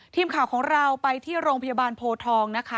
ทีมข่าวของเราไปที่โรงพยาบาลโพทองนะคะ